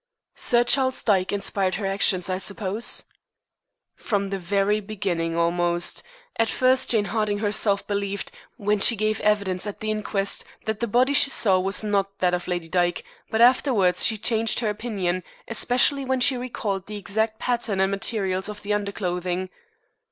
"Sir Charles Dyke inspired her actions, I suppose." "From the very beginning almost. At first Jane Harding herself believed, when she gave evidence at the inquest, that the body she saw was not that of Lady Dyke; but afterwards she changed her opinion, especially when she recalled the exact pattern and materials of the underclothing.